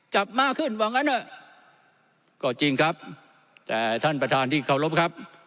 จับมากขึ้นว่างั้นเถอะก็จริงครับแต่ท่านประธานที่เคารพครับ